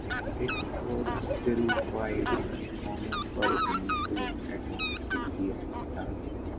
It was still quite uncommon for women to earn advanced degrees at the time.